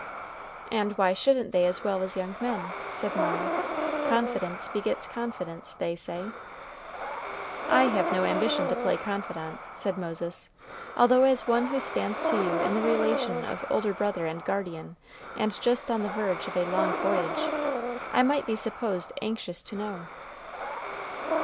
"And why shouldn't they as well as young men?" said Mara. "Confidence begets confidence, they say." "I have no ambition to play confidant," said Moses; "although as one who stands to you in the relation of older brother and guardian, and just on the verge of a long voyage, I might be supposed anxious to know."